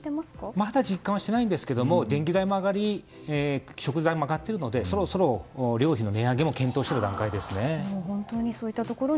まだ実感はしていないんですが電気代も上がり食材も上がっているのでそろそろ寮費の値上げもそういったところに